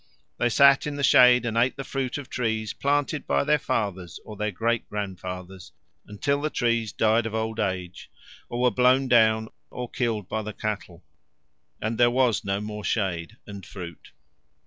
They sat in the shade and ate the fruit of trees planted by their fathers or their great grandfathers until the trees died of old age, or were blown down or killed by the cattle, and there was no more shade and fruit.